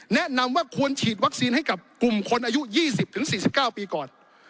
แนะนำว่าควรฉีดวัคซีนให้กับกลุ่มคนอายุ๒๐๔๙ปีก่อน